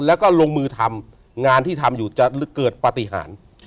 แล้วก็ลงมือทำงานที่ทำอยู่จะเกิดปฏิหาร